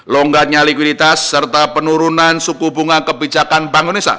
longgarnya likuiditas serta penurunan suku bunga kebijakan bank indonesia